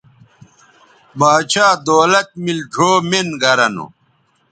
باچھا دولت میل ڙھؤ مِن گرہ نو